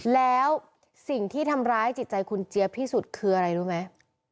แล้วสิ่งที่ทำร้ายจิตใจคุณเจี๊ยบที่สุดคืออะไรรู้ไหม